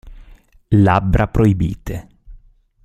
Labbra proibite